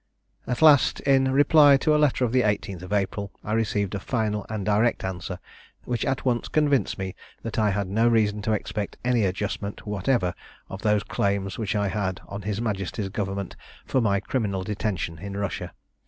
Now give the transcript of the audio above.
At last, in reply to a letter of the 18th of April, I received a final and direct answer, which at once convinced me that I had no reason to expect any adjustment whatever of those claims which I had on his majesty's government, for my criminal detention in Russia.